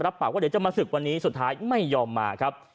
ปากว่าเดี๋ยวจะมาศึกวันนี้สุดท้ายไม่ยอมมาครับ